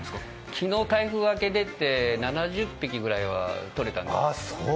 昨日台風明けで出て７０匹ぐらいはとれたんですけど。